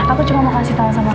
aku cuma mau kasih tau sama kamu